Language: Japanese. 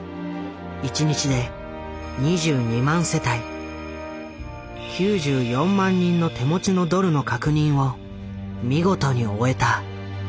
１日で２２万世帯９４万人の手持ちのドルの確認を見事に終えた。